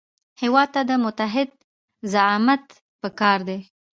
هېواد ته متعهد زعامت پکار دی